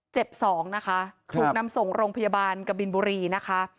เจ็บสองนะคะถูกนำส่งโรงพยาบาลกบินบุรีนะคะ